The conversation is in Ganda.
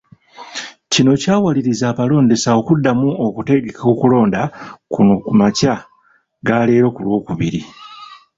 Kino kyawaliriza abalondesa okuddamu okutegeka okulonda kuno ku makya ga leero ku Lwokubiri.